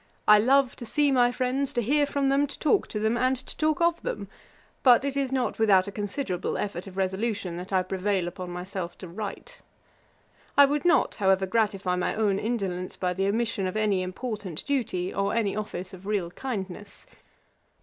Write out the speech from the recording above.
I love to see my friends, to hear from them, to talk to them, and to talk of them; but it is not without a considerable effort of resolution that I prevail upon myself to write. I would not, however, gratify my own indolence by the omission of any important duty, or any office of real kindness. [Page 474: Boswell's character sketched by Johnson. A.D. 1763.